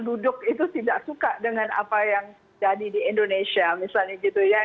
duduk itu tidak suka dengan apa yang jadi di indonesia misalnya gitu ya